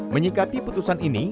menyikapi putusan ini